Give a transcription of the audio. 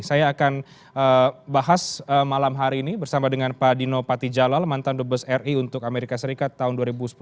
saya akan bahas malam hari ini bersama dengan pak dino patijalal mantan the bus ri untuk amerika serikat tahun dua ribu sepuluh dua ribu tiga belas